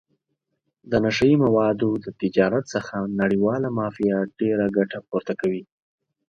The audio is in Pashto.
د نشه یي موادو د تجارت څخه نړیواله مافیا ډېره ګټه پورته کوي.